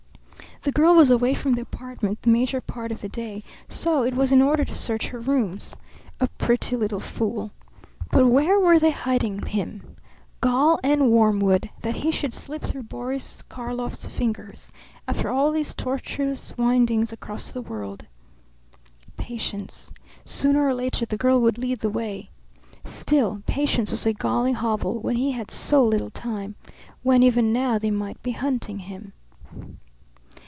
The girl was away from the apartment the major part of the day; so it was in order to search her rooms. A pretty little fool. But where were they hiding him? Gall and wormwood! That he should slip through Boris Karlov's fingers, after all these tortuous windings across the world! Patience. Sooner or later the girl would lead the way. Still, patience was a galling hobble when he had so little time, when even now they might be hunting him.